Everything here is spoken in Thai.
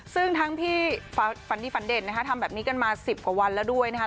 ซึ่งทั้งพี่ฝันดีฝันเด่นนะคะทำแบบนี้กันมา๑๐กว่าวันแล้วด้วยนะคะ